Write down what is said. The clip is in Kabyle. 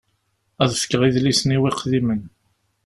Ad fkeɣ idlisen-iw iqdimen.